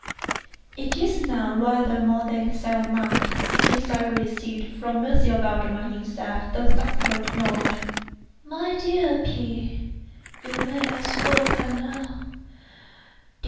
It is now rather more than seven months since I received, from M. Valdemar himself, the subjoined note: MY DEAR P——, You may as well come now.